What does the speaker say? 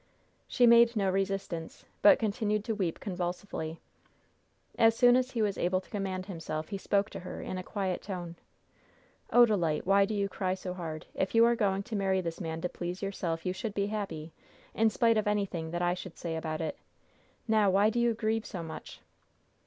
She made no resistance, but continued to weep convulsively. As soon as he was able to command himself he spoke to her in a quiet tone. "Odalite, why do you cry so hard? If you are going to marry this man to please yourself you should be happy, in spite of anything that I should say about it. Now, why do you grieve so much?"